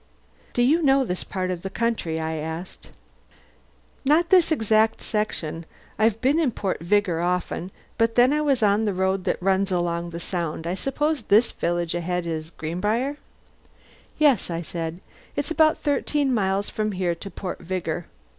"Do you know this part of the country?" I asked finally. "Not this exact section. I've been in Port Vigor often, but then I was on the road that runs along the Sound. I suppose this village ahead is Greenbriar?" "Yes," I said. "It's about thirteen miles from there to Port Vigor.